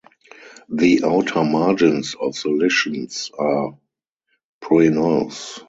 The outer margins of the lichens are pruinose.